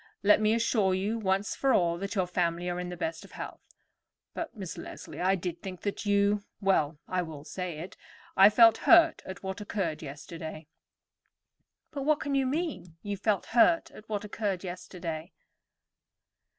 "Let me assure you once for all that your family are in the best of health; but, Miss Leslie, I did think that you—well, I will say it, I felt hurt at what occurred yesterday." "But what can you mean? You felt hurt at what occurred yesterday!